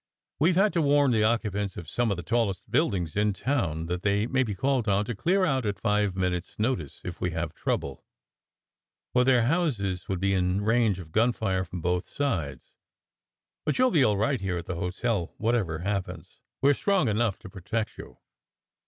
" We ve had to warn the occupants of some of the tallest buildings in town that they may be called on to clear out at five minutes notice, if we have trouble, for their houses would be in range of gunfire from both sides. But you ll be all right here at the hotel, whatever happens. We re strong enough to protect you."